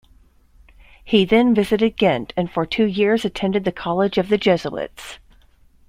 He then visited Ghent and for two years attended the college of the Jesuits.